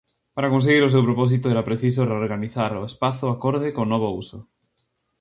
Para conseguir o seu propósito era preciso reorganizar o espazo acorde co novo uso.